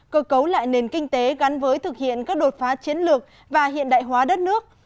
cơ cấu lại nền kinh tế gắn với thực hiện các đột phá chiến lược và hiện đại hóa đất nước